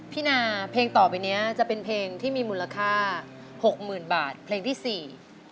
นาเพลงต่อไปเนี้ยจะเป็นเพลงที่มีมูลค่าหกหมื่นบาทเพลงที่สี่